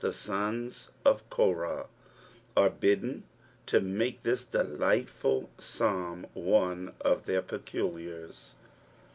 the sous of Koiah, are bidden to make this delighlfvl Psnlm one qf tkeir peculiars.